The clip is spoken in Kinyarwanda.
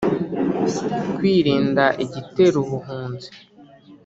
kwirinda igitera ubuhunzi